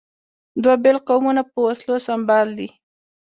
دومره بېل قومونه په وسلو سمبال دي.